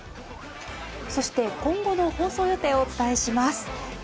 そして、今後の放送予定をお伝えします。